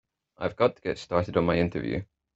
I've got to get started on my interview.